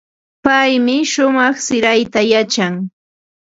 Paymi shumaq sirayta yachan.